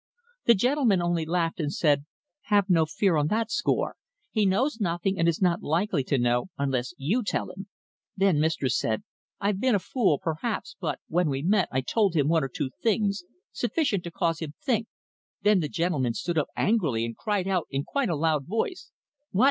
The gentleman only laughed and said, 'Have no fear on that score. He knows nothing, and is not likely to know, unless you tell him.' Then mistress said, 'I've been a fool, perhaps, but when we met I told him one or two things sufficient to cause him to think.' Then the gentleman stood up angrily and cried out in quite a loud voice: 'What!